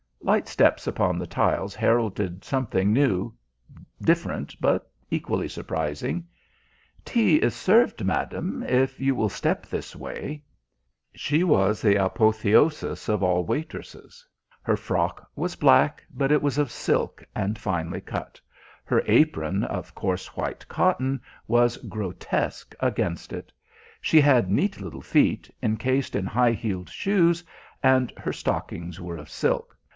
Light steps upon the tiles heralded something new different, but equally surprising. "Tea is served, madam, if you will step this way." She was the apotheosis of all waitresses. Her frock was black, but it was of silk and finely cut. Her apron, of coarse white cotton, was grotesque against it. She had neat little feet encased in high heeled shoes, and her stockings were of silk.